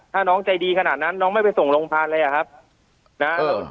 ถ้าน้องใจดีขนาดนั้นน้องไม่ไปส่งโรงพยาบาลเลยอะครับนะ